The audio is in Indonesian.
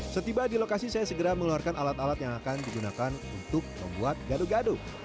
setiba di lokasi saya segera mengeluarkan alat alat yang akan digunakan untuk membuat gado gado